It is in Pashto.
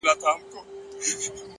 پوهه د محدودو افکارو کړکۍ پرانیزي؛